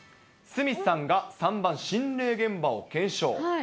鷲見さんが３番、心霊現場を検証。